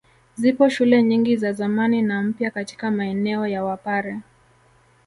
Zipo shule nyingi za zamani na mpya katika maeneo ya Wapare